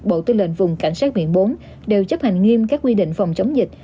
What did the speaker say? bộ tư lệnh vùng cảnh sát biển bốn đều chấp hành nghiêm các quy định phòng chống dịch